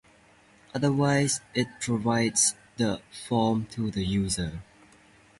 Otherwise, it provides the form to the user